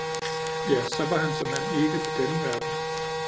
ja så var han såmænd ikke for denne verden!